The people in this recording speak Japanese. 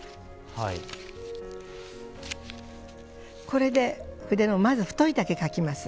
これで筆のまず太い竹描きます。